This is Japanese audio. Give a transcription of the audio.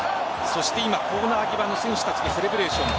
そして、コーナー際の選手たちのセレブレーション。